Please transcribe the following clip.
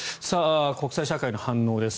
国際社会の反応です。